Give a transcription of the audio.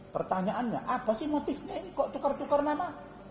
pertanyaannya apa sih motifnya ini kok tukar tukar nama